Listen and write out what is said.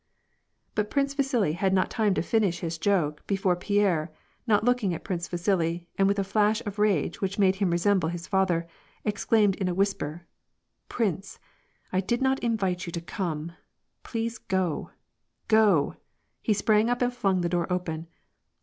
But Prince Vasili .had not time to finish his joke, before Pierre, not looking at Prince Vasili, and with a flash of rage, which made him resemble his father, exclaimed in a whisper, —" Prince, I did not invite you to come ; please go, go !" he sprang np and flung the door open.